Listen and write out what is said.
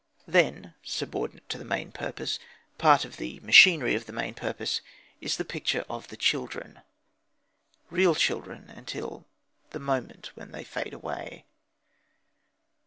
Then, subordinate to the main purpose, part of the machinery of the main purpose, is the picture of the children real children until the moment when they fade away.